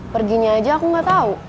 perginya aja aku nggak tahu